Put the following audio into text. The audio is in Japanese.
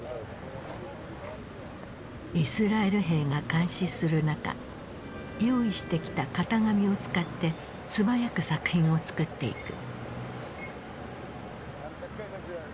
イスラエル兵が監視する中用意してきた型紙を使って素早く作品を作っていく。